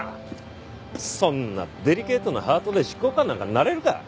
そんなデリケートなハートで執行官なんかなれるか！